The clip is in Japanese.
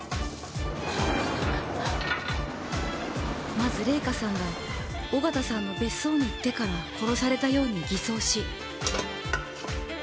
まず礼香さんが小形さんの別荘に行ってから殺されたように偽装し。